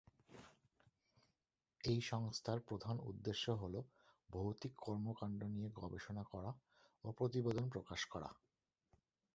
এই সংস্থার প্রধান উদ্দেশ্য হলো ভৌতিক কর্মকাণ্ড নিয়ে গবেষণা করা ও প্রতিবেদন প্রকাশ করা।